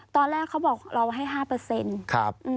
ตอนแรกเขาบอกเราให้๕ครับ